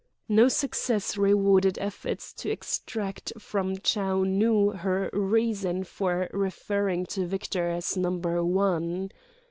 No success rewarded efforts to extract from Chou Nu her reason for referring to Victor as "Number One."